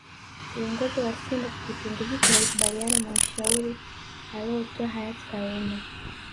Viongozi wa simba kwa kipindi hicho walikubaliana na ushauri alioutoa hayati karume